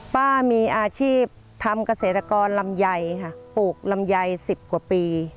ป้ามีอาชีพทำเกษตรกรลำไยค่ะปลูกลำไย๑๐กว่าปี